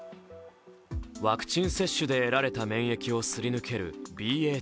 ワクチン接種で得られた免疫をすり抜けるＢＡ．２。